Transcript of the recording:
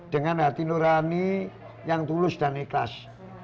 dengan hati nurani yang tulus dan ikhlas